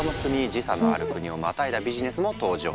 時差のある国をまたいだビジネスも登場。